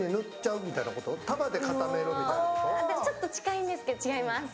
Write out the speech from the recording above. ちょっと近いんですけど、違います。